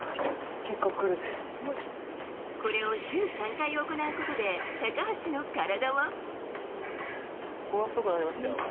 これを週３回行うことで高橋の体は。